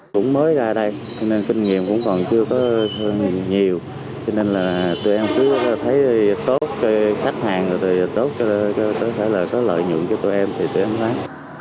các mặt hàng chưa có nhiều cho nên là tụi em cứ thấy tốt khách hàng tốt có lợi nhuận cho tụi em thì tụi em bán